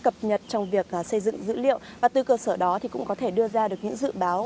cập nhật trong việc xây dựng dữ liệu và từ cơ sở đó thì cũng có thể đưa ra được những dự báo